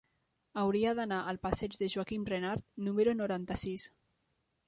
Hauria d'anar al passeig de Joaquim Renart número noranta-sis.